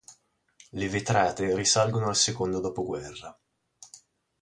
Le vetrate risalgono al secondo dopoguerra.